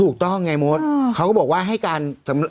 ถูกต้องไงมดเขาก็บอกว่าให้การสำเน